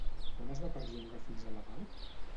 Quan es va perllongar fins a la Pau?